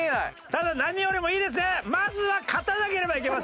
ただ何よりもいいですね？